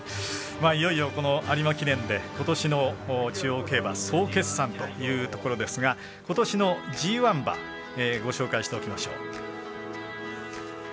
いよいよ有馬記念で中央競馬総決算というところですがことしのＧＩ馬ご紹介しておきましょう。